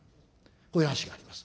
こういう話があります。